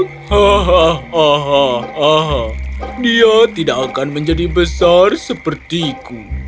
hahaha dia tidak akan menjadi besar sepertiku